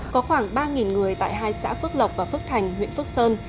có khoảng ba người tại hai xã phước lộc và phước thành huyện phước sơn